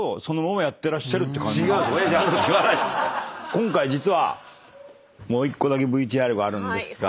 今回実はもう１個だけＶＴＲがあるんですが。